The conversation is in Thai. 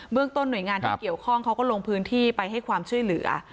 เรื่องต้นหน่วยงานที่เกี่ยวข้องเขาก็ลงพื้นที่ไปให้ความช่วยเหลือ